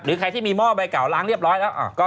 ใครที่มีหม้อใบเก่าล้างเรียบร้อยแล้ว